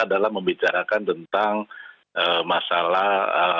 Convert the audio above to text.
adalah membicarakan tentang masalah